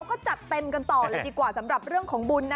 ก็จัดเต็มกันต่อเลยดีกว่าสำหรับเรื่องของบุญนะ